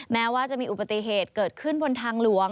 แม้ว่าจะมีอุบัติเหตุเกิดขึ้นบนทางหลวง